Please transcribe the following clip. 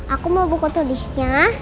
aku mau buku tulisnya